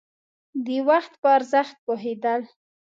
د وخت په ارزښت پوهېدل.